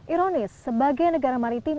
ironis sebagai negara maritim